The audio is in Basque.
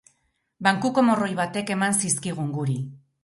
Bankuko morroi batek eman zizkigun guri.